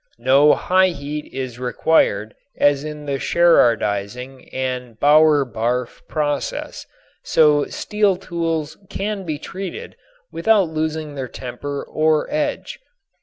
No high heat is required as in the Sherardizing and Bower Barff processes, so steel tools can be treated without losing their temper or edge.